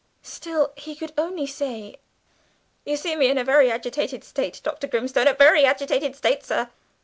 Still, he could only say, "You see me in a very agitated state, Dr. Grimstone a very agitated state, sir."